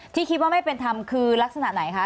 ที่คิดว่าไม่เป็นธรรมคือลักษณะไหนคะ